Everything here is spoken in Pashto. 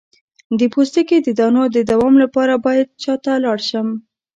د پوستکي د دانو د دوام لپاره باید چا ته لاړ شم؟